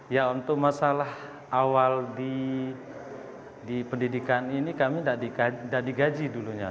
ya untuk masalah awal di pendidikan ini kami tidak digaji dulunya